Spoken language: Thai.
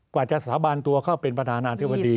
กว่าจะสาบานตัวเข้าเป็นประธานาธิบดี